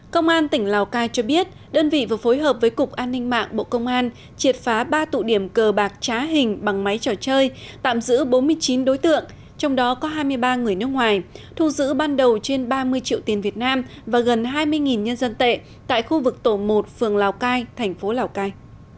công an tỉnh lào cai cho biết đơn vị vừa phối hợp với cục an ninh mạng bộ công an triệt phá ba tụ điểm cờ bạc trá hình bằng máy trò chơi tạm giữ bốn mươi chín đối tượng trong đó có hai mươi ba người nước ngoài thu giữ ban đầu trên ba mươi triệu tiền việt nam và gần hai mươi nhân dân tệ tại khu vực tổ một phường lào cai thành phố lào cai